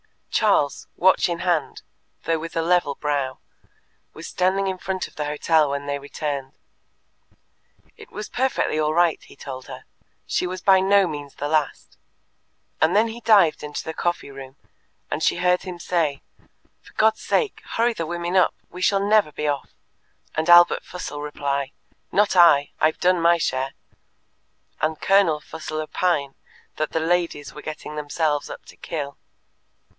Charles, watch in hand, though with a level brow, was standing in front of the hotel when they returned. It was perfectly all right, he told her; she was by no means the last. And then he dived into the coffee room, and she heard him say, "For God's sake, hurry the women up; we shall never be off," and Albert Fussell reply, "Not I; I've done my share," and Colonel Fussell opine that the ladies were getting themselves up to kill.